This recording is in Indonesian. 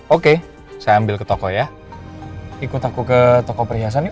oke saya ambil ke toko ya ikut aku ke toko perhiasan nih